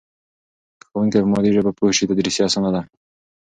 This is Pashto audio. که ښوونکی په مادي ژبه پوه سي تدریس اسانه دی.